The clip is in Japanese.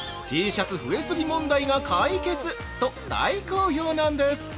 Ｔシャツ増え過ぎ問題が解決と大好評なんです。